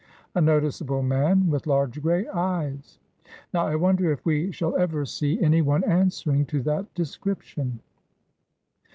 'A noticeable man, with large grey eyes.' Now, I wonder if we shall ever see any one answering to that description."